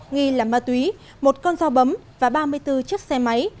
nghi là ma túy một con dao bấm và ba mươi bốn chiếc xe máy